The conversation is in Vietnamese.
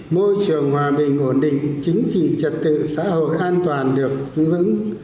môi trường hòa bình ổn định chính trị trật tự xã hội an toàn được giữ vững